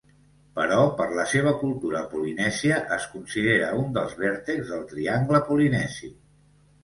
Però per la seva cultura polinèsia es considera un dels vèrtexs del triangle polinesi.